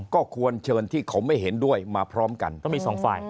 ก็ควรเชิญที่เขาไม่เห็นด้วยมาพร้อมกันต้องมีสองฝ่าย